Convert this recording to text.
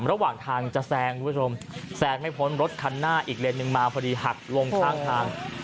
ระหว่างทางจะแซงคุณผู้ชมแซงไม่พ้นรถคันหน้าอีกเลนหนึ่งมาพอดีหักลงข้างทาง